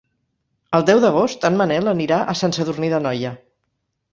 El deu d'agost en Manel anirà a Sant Sadurní d'Anoia.